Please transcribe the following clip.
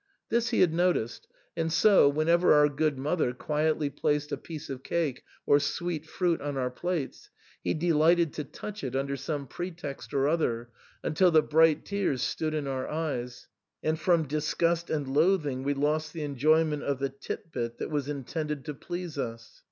This he had noticed ; and so, when ever our good mother quietly placed a piece of cake or sweet fruit on our plates, he delighted to touch it under some pretext or other, until the bright tears stood in our eyes, and from disgust and loathing we lost the enjoyment of the tit bit that was intended to please us.